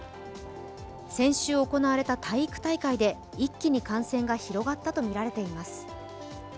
先週行われた体育大会で一気に感染が広がったとみられています。